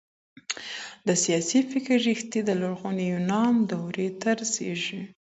د سياسي فکر ريښې د لرغوني يونان دورې ته رسېږي.